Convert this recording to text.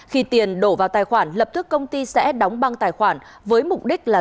khi tiền đổ vào tài khoản lập tức công ty sẽ đóng băng tài khoản với mục đích là